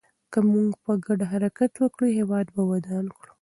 که موږ په ګډه حرکت وکړو، هېواد به ودان کړو.